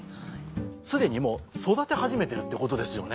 既にもう育て始めてるってことですよね。